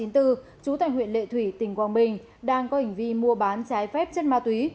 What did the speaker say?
trú tại huyện lệ thủy tỉnh quang bình đang có hành vi mua bán trái phép chất ma túy